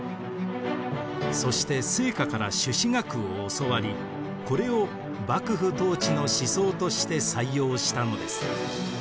そして惺窩から朱子学を教わりこれを幕府統治の思想として採用したのです。